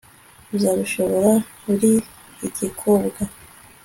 uzabishobora uri igikobwa